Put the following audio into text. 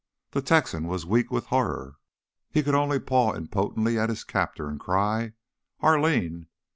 The Texan was weak with horror; he could only paw impotently at his captor and cry: "Arline!